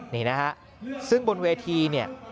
นี่นะครับซึ่งบนเวทีนี่